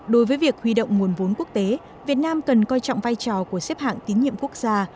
đối với việc huy động nguồn vốn quốc tế việt nam cần coi trọng vai trò của xếp hạng tín nhiệm quốc gia